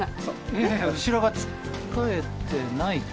ええ後ろがつっかえてないか。